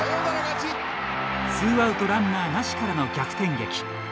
ツーアウトランナーなしからの逆転劇。